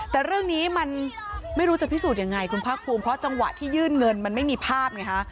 แต่เรื่องนี้มันไม่รู้จะพิสูจน์ยังไงคุณภาคภูมิเพราะจังหวะที่ยื่นเงินมันไม่มีภาพไงฮะ